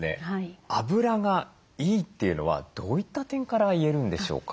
あぶらがいいというのはどういった点から言えるんでしょうか？